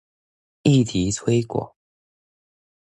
議題推廣